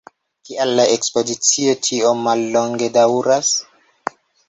Kial la ekspozicio tiom mallonge daŭras?